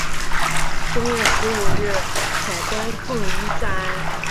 正月十五日彩棺奉移暂安。